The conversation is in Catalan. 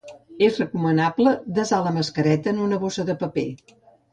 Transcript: És recomanable desar la mascareta en una bossa de paper.